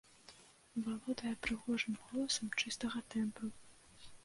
Валодае прыгожым голасам чыстага тэмбру.